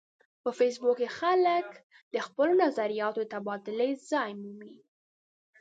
په فېسبوک کې خلک د خپلو نظریاتو د تبادلې ځای مومي